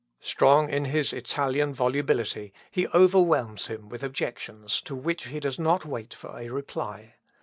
Strong in his Italian volubility he overwhelms him with objections, to which he does not wait for a reply.